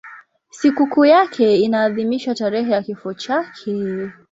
Sikukuu yake inaadhimishwa tarehe ya kifo chake.